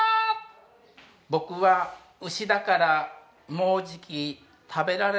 「僕は牛だからもうじき食べられるのだそうだ」